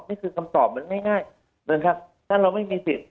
นี่คือคำตอบมันง่ายนะครับถ้าเราไม่มีสิทธิ์